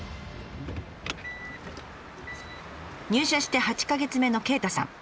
入社して８か月目の鯨太さん。